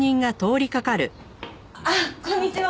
あっこんにちは。